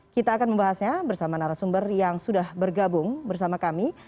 kita akan membahasnya bersama narasumber yang sudah bergabung bersama kami